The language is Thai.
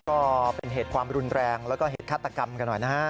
ก็เป็นเหตุความรุนแรงแล้วก็เหตุฆาตกรรมกันหน่อยนะฮะ